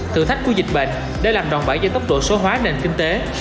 thử thách của dịch bệnh để làm đòn bẫy cho tốc độ số hóa nền kinh tế